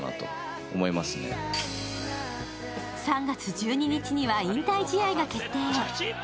３月１２日には引退試合が決定。